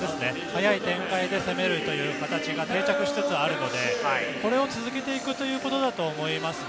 早い展開で攻めるという形が定着しつつあるのでこれを続けていくことだと思います。